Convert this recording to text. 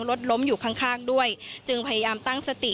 รถล้มอยู่ข้างข้างด้วยจึงพยายามตั้งสติ